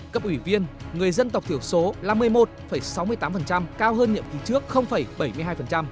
cấp ủy viên người dân tộc thiểu số là một mươi một sáu mươi tám cao hơn nhiệm kỳ trước bảy mươi hai